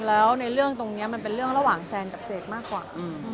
แล้วเอาเรื่องตอนนี้เป็นระหว่างแซงและเสกมากกว่า